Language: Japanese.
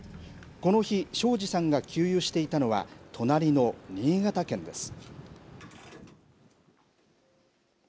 この日、庄司さんが給油していたのは、隣の新潟県です。